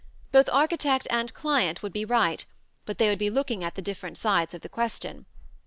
Both architect and client would be right, but they would be looking at the different sides of the question.